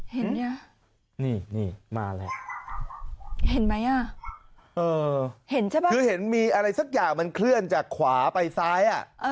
เห็นไหมอ่ะเห็นใช่มีอะไรสักอย่างมันเคลื่อนจากขวาไปซ้าย